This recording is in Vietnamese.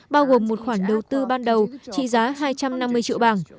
bao gồm một khoản đầu tư ban đầu trị giá hai trăm năm mươi triệu bảng